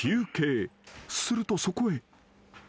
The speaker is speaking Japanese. するとそこへ］